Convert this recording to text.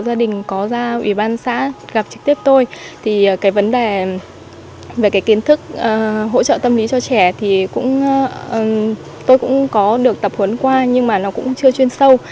gia đình có ra ủy ban xã gặp trực tiếp tôi thì cái vấn đề về cái kiến thức hỗ trợ tâm lý cho trẻ thì tôi cũng có được tập huấn qua nhưng mà nó cũng chưa chuyên sâu